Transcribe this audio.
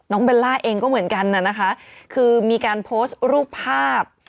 เบลล่าเองก็เหมือนกันน่ะนะคะคือมีการโพสต์รูปภาพ